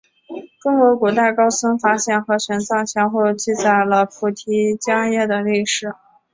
中国古代高僧法显和玄奘先后记载了菩提伽耶的历史。